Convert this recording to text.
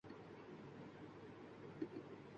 لیتا ہوں مکتبِ غمِ دل میں سبق ہنوز